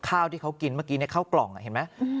ข้าวที่เขากินเมื่อกี้ข้าวกล่องเห็นไหม